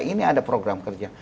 ini ada program kerja